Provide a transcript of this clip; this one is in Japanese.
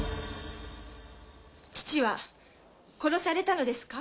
父は殺されたのですか？